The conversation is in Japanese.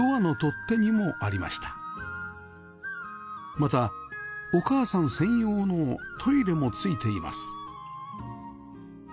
またお母さん専用のトイレも付いています